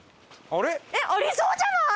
あれありそうじゃない？